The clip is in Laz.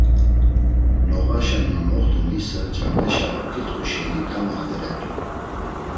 Noğaşen na moxtu nisa cameşa ok̆itxu şeni kamaxteret̆u.